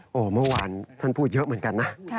โอ้โหเมื่อวานท่านพูดเยอะเหมือนกันนะ